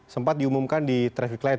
sempat diumumkan di traffic light